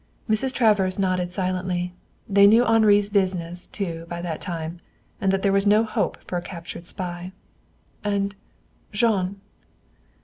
Mrs. Travers nodded silently. They knew Henri's business, too, by that time, and that there was no hope for a captured spy. "And Jean?"